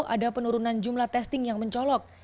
ada penurunan jumlah testing yang mencolok